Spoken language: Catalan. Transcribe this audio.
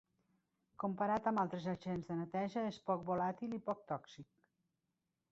Comparat amb altres agents de neteja és poc volàtil i poc tòxic.